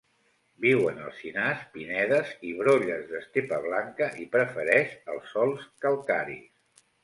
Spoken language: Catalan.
Viu en alzinars, pinedes, i brolles d'estepa blanca i prefereix els sòls calcaris.